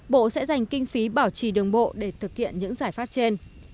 bộ sẽ dành kinh phí bảo trì đường bộ để thực hiện những giải pháp trên